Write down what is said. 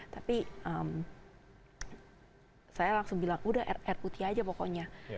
tapi saya langsung bilang udah air putih aja pokoknya